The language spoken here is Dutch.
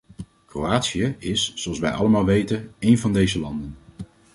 Kroatië is, zoals wij allemaal weten, één van deze landen.